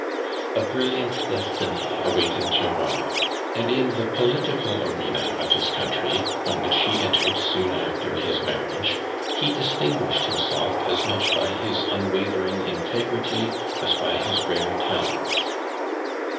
A brilliant destiny awaited Durand uad in the political arena of his cuun try, on which he entered soon after his mar riage, ho distin^uiMlu'd himself as much i)y his unwavering integrity us by his mre ta lents.